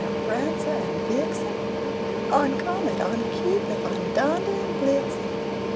now, Prancer and Vixen! On, Comet! on, Cupid! on, Donder and Blitzen!